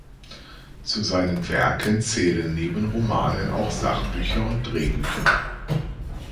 Zu seinen Werken zählen neben Romanen auch Sachbücher und Drehbücher.